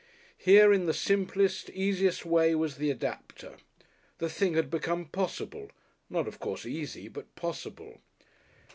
Here in the simplest, easiest way was the adapter. The thing had become possible. Not of course easy, but possible.